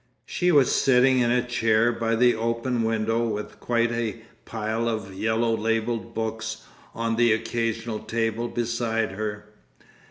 She was sitting in a chair by the open window with quite a pile of yellow labelled books on the occasional table beside her.